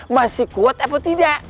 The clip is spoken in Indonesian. masih kuat apa tidak